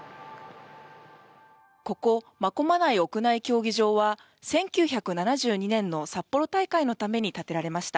ここ真駒内屋内競技場は１９７２年の札幌大会のために建てられました。